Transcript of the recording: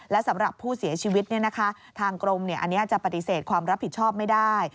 และสำหรับผู้เสียชีวิตทางกรมอันนี้จะปฏิเสธความรับผิดชอบไม่ได้